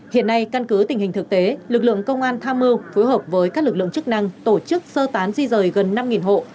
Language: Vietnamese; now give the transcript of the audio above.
hiện nay căn cứ tình hình thực tế lực lượng công an tham mưu phối hợp với các lực lượng chức năng tổ chức sơ tán di rời gần năm hộ